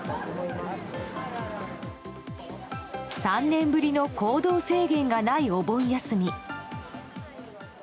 ３年ぶりの行動制限がないお盆休み。